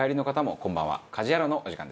こんばんは。